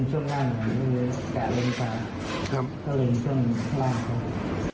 หรือแกะเล็งตามแล้วเล็งช่วงล่างเขา